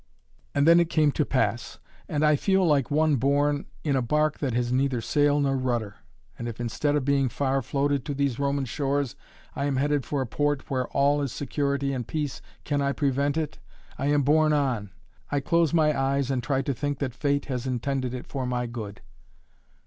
And then it came to pass. And I feel like one borne in a bark that has neither sail nor rudder. And if, instead of being far floated to these Roman shores, I am headed for a port where all is security and peace, can I prevent it? I am borne on! I close my eyes and try to think that Fate has intended it for my good."